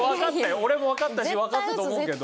俺もわかったしわかったと思うけど。